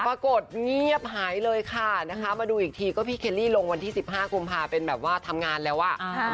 ปรากฏเงียบหายเลยค่ะนะคะมาดูอีกทีก็พี่เคลลี่ลงวันที่๑๕กุมภาเป็นแบบว่าทำงานแล้วอ่ะ